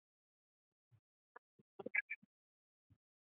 但不久管理层便发表公告澄清并否认有关事件。